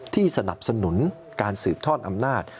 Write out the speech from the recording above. สนับสนุนการสืบทอดอำนาจ